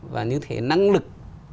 và như thế năng lực